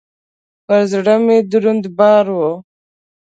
پر زړه مي دروند بار و .